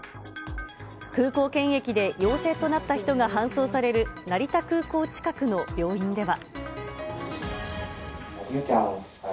空港検疫で陽性となった人が搬送される成田空港近くの病院では。